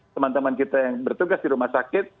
teman teman kita yang bertugas di rumah sakit